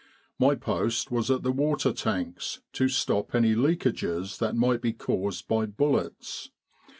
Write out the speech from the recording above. My post was at the water tanks, to stop any leakages that might be caused by bullets.